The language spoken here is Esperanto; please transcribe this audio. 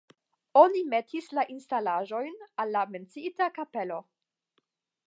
Oni metis la instalaĵojn el la menciita kapelo.